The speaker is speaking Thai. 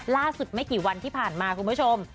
ไม่กี่วันที่ผ่านมาคุณผู้ชม